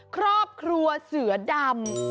ครอบครัวเสือดำ